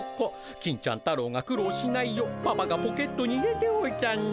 金ちゃん太郎が苦労しないようパパがポケットに入れておいたんだ。